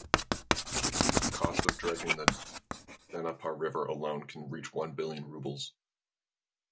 The cost of dredging the Dnieper River alone can reach one billion rubles.